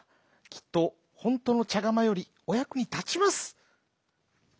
きっとほんとのちゃがまよりおやくにたちます」。